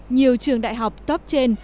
nhiều trường đại học top trên